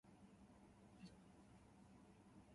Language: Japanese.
旅行で新しい場所を発見したい。